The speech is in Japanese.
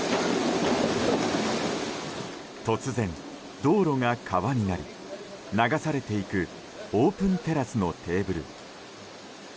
突然、道路が川になり流されていくオープンテラスのテーブル。